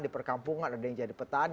di perkampungan ada yang jadi petani